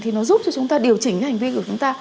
thì nó giúp cho chúng ta điều chỉnh cái hành vi của chúng ta